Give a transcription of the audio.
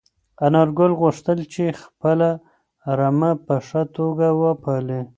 انارګل غوښتل چې خپله رمه په ښه توګه وپالي.